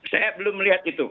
saya belum melihat itu